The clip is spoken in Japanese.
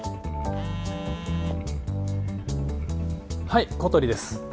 はい小鳥です